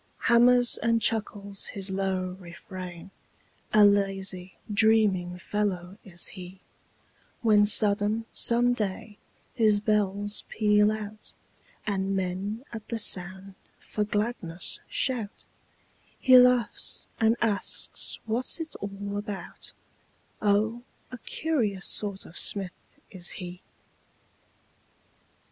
Hammers and chuckles his low refrain, A lazy, dreaming fellow is he: When sudden, some day, his bells peal out, And men, at the sound, for gladness shout; He laughs and asks what it's all about; Oh, a curious sort of smith is he.